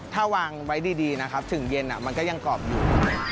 ถ้าวางไว้ดีนะครับถึงเย็นมันก็ยังกรอบอยู่